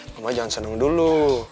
mama jangan seneng dulu